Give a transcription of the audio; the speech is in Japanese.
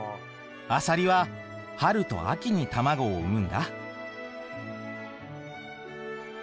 アサリは春と秋に卵を産むんだ。